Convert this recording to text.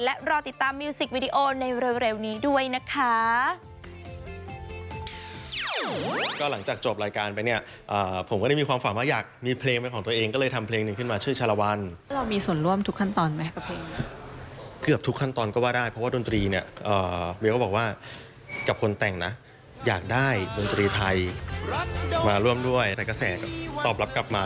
และรอติดตามมิวสิกวิดีโอในเร็วนี้ด้วยนะคะ